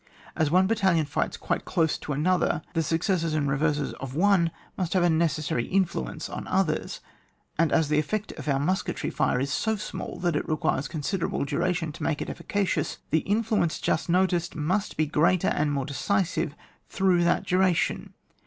As one battalion fights quite close to another, the successes and reverses of one must have a necessary influence on others, and as the effect of our musketry fire is so small that it requires considerable duration to make it efficacious, the infla ence just noticed must be greater and more decisive through that duration.